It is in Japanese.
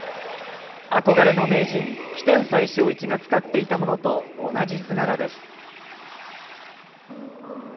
憧れの名人、帰天斎正一が使っていたものと同じ図柄です。